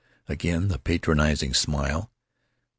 Again the patronizing smile.